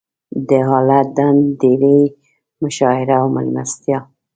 د اله ډنډ ډېرۍ مشاعره او مېلمستیا.